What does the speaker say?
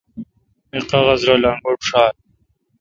می قاغذرل انگوٹ ݭال۔